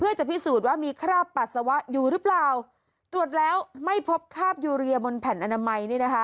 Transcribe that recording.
เพื่อจะพิสูจน์ว่ามีคราบปัสสาวะอยู่หรือเปล่าตรวจแล้วไม่พบคราบยูเรียบนแผ่นอนามัยนี่นะคะ